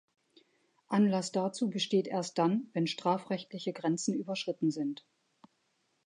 Anlass dazu besteht erst dann, wenn strafrechtliche Grenzen überschritten sind.